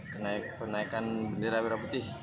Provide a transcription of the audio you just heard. kenaikan bendera merah putih